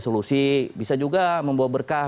solusi bisa juga membawa berkah